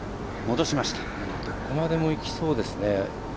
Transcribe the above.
どこまでもいきそうですね。